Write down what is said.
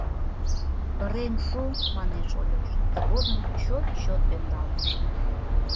Ырен шу, — манеш Ольош, тыгодым чот-чот ӧндал куча.